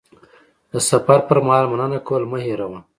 د سفر پر مهال مننه کول مه هېروه.